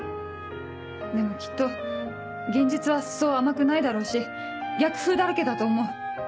でもきっと現実はそう甘くないだろうし逆風だらけだと思う。